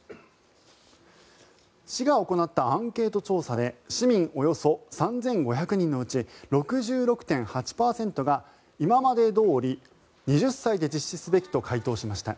市が行ったアンケート調査で市民およそ３５００人のうち６６．８％が今までどおり２０歳で実施すべきと回答しました。